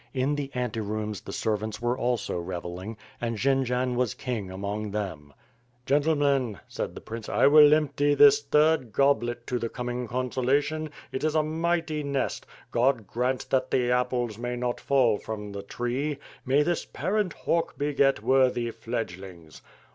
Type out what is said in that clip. In the anterooms the servant^ were also revelling, and Jendzian was king among them. ^^ WITH FIRE AND 8W0BD. "Gentlemen/' said the prince, "I will empty this third goblet to the coming conjsolation. It is a mighty nest! God grant that the apples may not fall from the tree. May this parent hawk beget worthy fledglings."